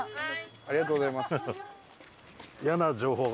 ありがとうございます。